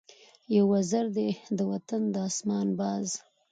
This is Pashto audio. یو وزر دی د وطن د آسمان ، باز